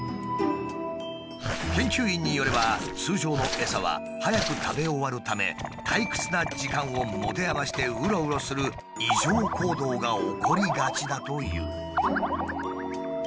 研究員によれば通常のエサは早く食べ終わるため退屈な時間を持て余してウロウロする異常行動が起こりがちだという。